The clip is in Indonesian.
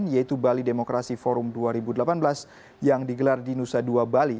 yaitu bali demokrasi forum dua ribu delapan belas yang digelar di nusa dua bali